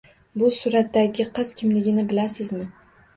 Bu suratdagi qiz kimligini bilasizmi?